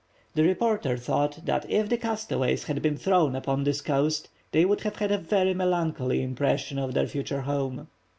The reporter thought that if the castaways had been thrown upon this coast, they would have had a very melancholy impression of their future home.